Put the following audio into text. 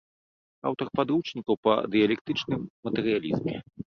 Аўтар падручнікаў па дыялектычным матэрыялізме.